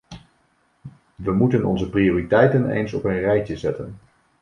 We moeten onze prioriteiten eens op een rijtje zetten.